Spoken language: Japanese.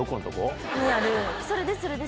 それです、それです。